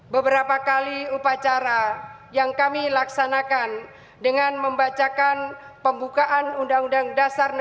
beberapa kali upacara yang kami laksanakan dengan membacakan pembukaan undang undang dasar nasional